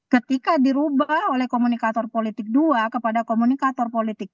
ketika dirubah oleh komunikator politik dua kepada komunikator politik